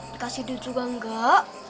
dikasih duit juga enggak